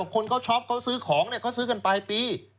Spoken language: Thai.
คนเขาช็อปเขาซื้อของเขาซื้อกันปลายปี